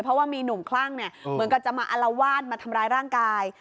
เพราะว่ามีหนุ่มคลั่งเนี่ยเหมือนกับจะมาอลวาดมาทำร้ายร่างกาย